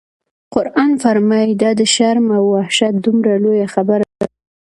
قرآن فرمایي: دا د شرم او وحشت دومره لویه خبره ده.